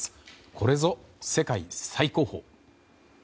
これぞ世界最高峰！